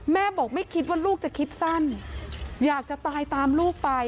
แม่บอกไม่คิดว่าลูกจะคิดสั้นอยากจะตายตามลูกไป